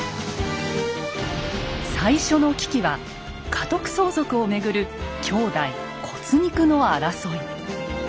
最初の危機は家督相続をめぐる兄弟骨肉の争い。